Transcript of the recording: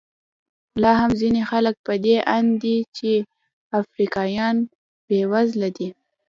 لا هم ځینې خلک په دې اند دي چې افریقایان بېوزله دي.